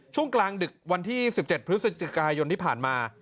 ช่วงกลางดึกวันที่๑๗พฤศจิกายนที่ผ่านมา